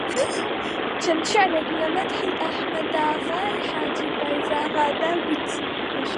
چەند شیعرێکم لە مەدحی ئەحمەداغای حاجی بایزاغادا گوت